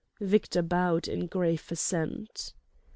Victor bowed in grave assent.